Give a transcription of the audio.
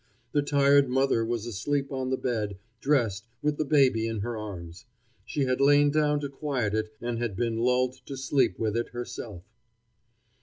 The tired mother was asleep on the bed, dressed, with the baby in her arms. She had lain down to quiet it and had been lulled to sleep with it herself.